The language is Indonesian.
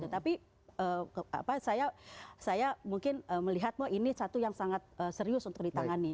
tapi saya mungkin melihat ini satu yang sangat serius untuk ditangani